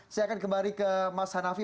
saya akan kembali ke mas hanafi